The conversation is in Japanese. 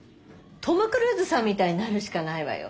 トム・クルーズさんみたいになるしかないわよ。